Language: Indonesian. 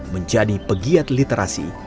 menjadi pegiat literasi